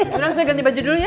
kita harusnya ganti baju dulu ya